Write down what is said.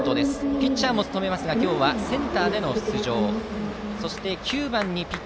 ピッチャーも務めますが今日はセンターでの出場。